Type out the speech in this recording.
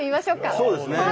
そうですね。